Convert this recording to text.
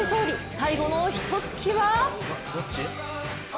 最後のひとつきは？